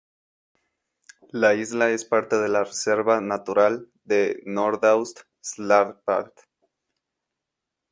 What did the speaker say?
La isla es parte de la Reserva Natural de Nordaust-Svalbard.